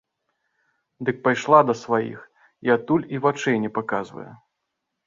Дык пайшла да сваіх і адтуль і вачэй не паказвае.